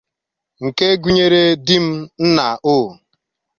nke gụnyere Dim Nna O